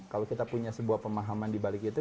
kalau kita punya sebuah pemahaman di balik itu